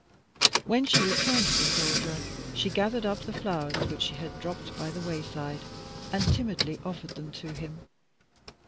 When she returned to the soldier she gathered up the flowers which she had dropped by the wayside, and timidly offered them to him.